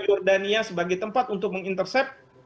jordania sebagai tempat untuk men intercept